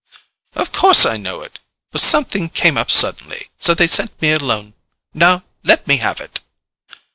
"Of course, I know it. But something came up suddenly, so they sent me alone. Now, let me have it."